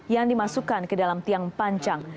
yang dimasukkan ke dalam tiang panjang